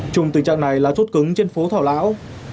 chung tình trạng này là chốt cứng trên phố thảo lão